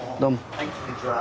はいこんにちは。